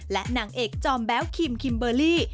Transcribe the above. และนางเอกจอมแบ๊วคิมคิมเบอร์รี่